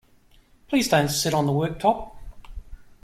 Please don't sit on the worktop!